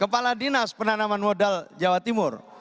kepala dinas penanaman modal jawa timur